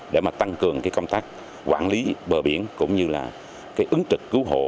để tăng cường công tác quản lý bờ biển cũng như ứng trực cứu hộ